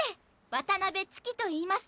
渡辺月といいます。